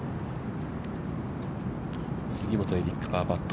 杉本エリック、パーパット。